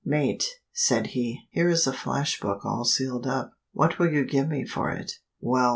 Mate," said he, "here is a flash book all sealed up. What will you give me for it?" "Well!